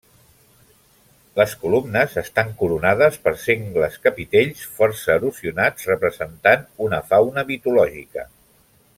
Les columnes estan coronades per sengles capitells força erosionats, representant una fauna mitològica.